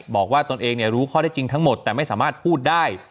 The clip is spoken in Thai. ตนเองรู้ข้อได้จริงทั้งหมดแต่ไม่สามารถพูดได้